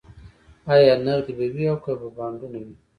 ایا نغدې به وي او که به بانډونه وي